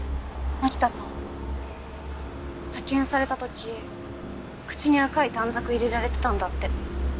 槙田さん発見された時口に赤い短冊入れられてたんだって。